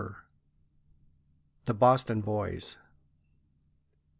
THE BOSTON BOYS.